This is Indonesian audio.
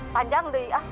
panjang deh ya